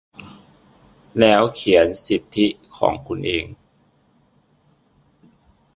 แล้วเขียนสิทธิของคุณเอง